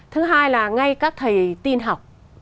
thứ hai là ngay các thầy tin học